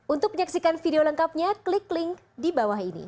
untuk menyaksikan video lengkapnya klik link di bawah ini